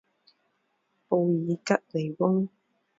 布尔吉尼翁。